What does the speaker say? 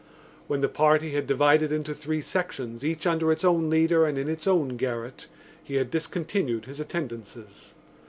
When the party had divided into three sections, each under its own leader and in its own garret, he had discontinued his attendances.